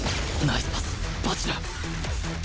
ナイスパス蜂楽！